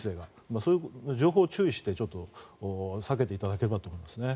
そういう情報を注意して避けてもらえればと思います。